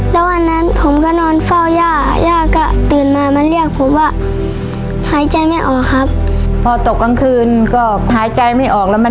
แล้ววันนั้นผมกานอนเฝ้าย่าย่าก็ตื่นมามาเรียกผมว่าหายใจไม่ออกครับ